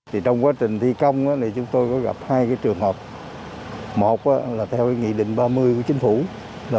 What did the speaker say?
hôm nay đã có chương trình chung của chính phủ là giãn cách nó ổn định rồi cho phép rồi